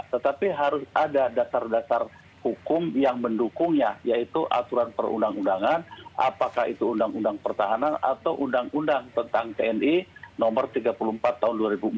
tetapi harus ada dasar dasar hukum yang mendukungnya yaitu aturan perundang undangan apakah itu undang undang pertahanan atau undang undang tentang tni nomor tiga puluh empat tahun dua ribu empat